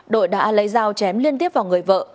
đội đã lấy dao chém liên tiếp vào người vợ